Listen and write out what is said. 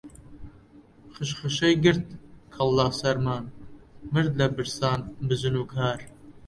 خشخشەی گرت کەڵ لە سەرمان، مرد لە برسان بزن و کار